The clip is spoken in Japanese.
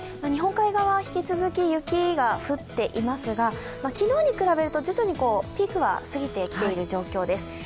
日本海側は引き続き、雪が降っていますが昨日に比べると徐々にピークは過ぎてきている状況です。